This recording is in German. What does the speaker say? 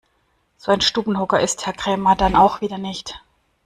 So ein Stubenhocker ist Herr Krämer dann auch wieder nicht.